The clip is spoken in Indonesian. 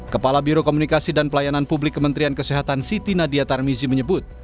kepala biro komunikasi dan pelayanan publik kementerian kesehatan siti nadia tarmizi menyebut